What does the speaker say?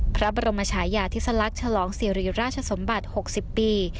พระบรมชาญญาทฤษลักษณ์ฉลองเสียรีราชสมบัติหกสิบปี